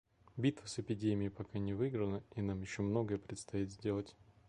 Битва с эпидемией пока не выиграна, и нам еще многое предстоит сделать.